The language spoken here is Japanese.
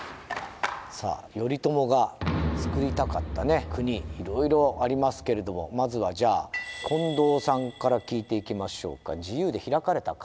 さあ頼朝がつくりたかった国いろいろありますけれどもまずはじゃあ近藤さんから聞いていきましょうか。